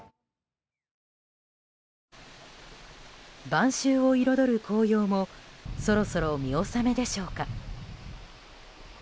晩秋を彩る紅葉もそろそろ見納めでしょうか。